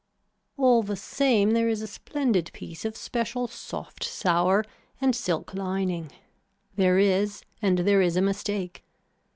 All the same there is a splendid piece of special soft sour and silk lining, there is and there is a mistake.